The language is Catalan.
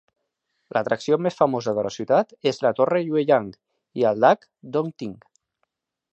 L'atracció més famosa de la ciutat és la torre YUEYANG i el llac Dongting.